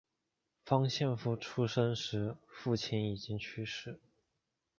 方献夫出生时父亲已经去世。